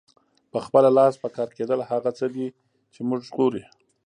په خپله لاس پکار کیدل هغه څه دي چې مونږ ژغوري.